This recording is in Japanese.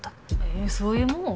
えっそういうもん？